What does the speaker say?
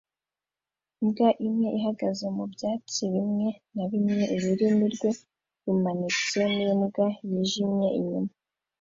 imbwa imwe ihagaze mu byatsi bimwe na bimwe ururimi rwe rumanitse n'imbwa yijimye inyuma